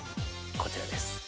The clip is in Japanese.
こちらです。